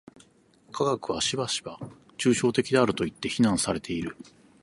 科学はしばしば抽象的であるといって非難されている。